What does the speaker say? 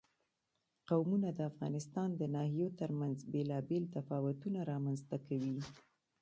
قومونه د افغانستان د ناحیو ترمنځ بېلابېل تفاوتونه رامنځ ته کوي.